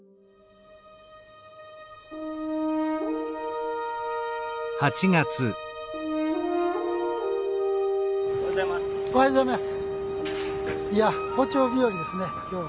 おはようございます。